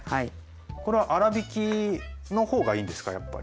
これは粗びきの方がいいんですかやっぱり。